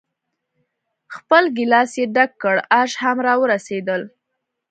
خپل ګیلاس یې ډک کړ، آش هم را ورسېدل.